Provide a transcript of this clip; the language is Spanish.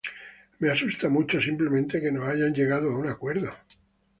Me asusta mucho simplemente que no hayan llegado a un acuerdo".